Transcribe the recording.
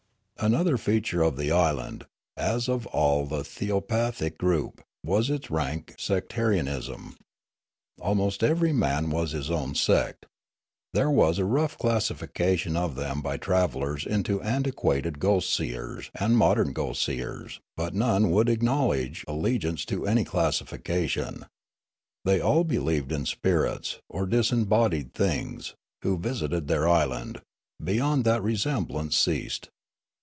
"Another feature of the island, as of all the theopathic group, was its rank sectarianism. Almost every man was his own sect. There was a rough classification of them by travellers into ' antiquated ghost seers ' and ' modern ghost seers '; but none would acknowledge allegiance to any classification. They all believed in spirits, or disembodied beings, who visited their island; beyond that resemblance ceased.